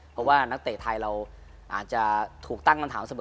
เพราะว่านักเตะไทยเราอาจจะถูกตั้งคำถามเสมอ